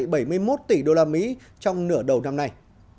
thảm họa đã thiệt hại bảy mươi một tỷ usd trong nửa đầu năm nay